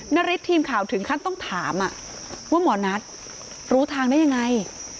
นาริสทีมข่าวถึงขั้นต้องถามว่าหมอนัทรู้ทางได้ยังไง